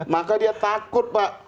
maka dia takut pak